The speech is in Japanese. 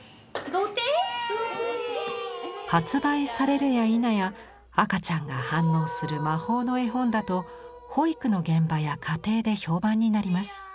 どて。発売されるやいなや赤ちゃんが反応する魔法の絵本だと保育の現場や家庭で評判になります。